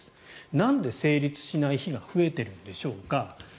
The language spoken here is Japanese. なんで成立しない日が増えているんでしょうか。